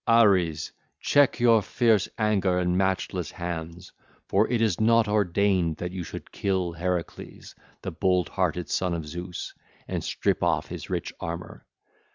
'Ares, check your fierce anger and matchless hands; for it is not ordained that you should kill Heracles, the bold hearted son of Zeus, and strip off his rich armour.